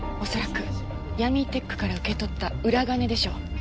恐らくヤミーテックから受け取った裏金でしょう。